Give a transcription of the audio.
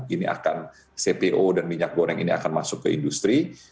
ini akan cpo dan minyak goreng ini akan masuk ke industri